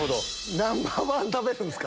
ナンバー１、食べるんですか？